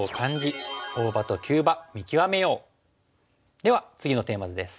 では次のテーマ図です。